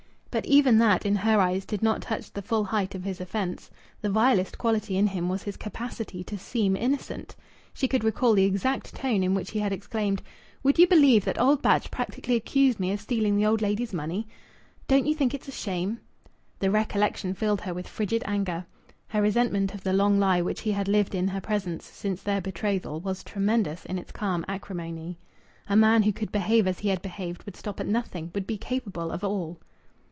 But even that in her eyes did not touch the full height of his offence. The vilest quality in him was his capacity to seem innocent. She could recall the exact tone in which he had exclaimed: "Would you believe that old Batch practically accused me of stealing the old lady's money?... Don't you think it's a shame?" The recollection filled her with frigid anger. Her resentment of the long lie which he had lived in her presence since their betrothal was tremendous in its calm acrimony. A man who could behave as he had behaved would stop at nothing, would be capable of all.